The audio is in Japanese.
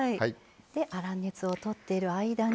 粗熱を取っている間に。